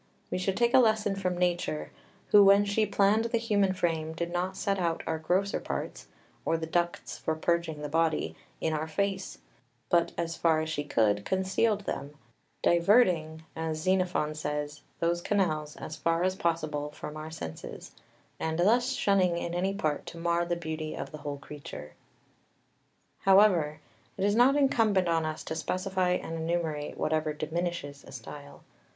We should take a lesson from nature, who when she planned the human frame did not set our grosser parts, or the ducts for purging the body, in our face, but as far as she could concealed them, "diverting," as Xenophon says, "those canals as far as possible from our senses," and thus shunning in any part to mar the beauty of the whole creature. [Footnote 2: Mem. i. 4. 6.] 6 However, it is not incumbent on us to specify and enumerate whatever diminishes a style.